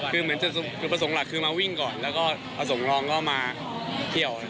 คือเหมือนจะอุปสรรคหลักคือมาวิ่งก่อนแล้วก็ประสงค์รองก็มาเที่ยว